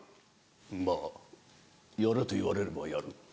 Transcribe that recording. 「まぁやれと言われればやる」。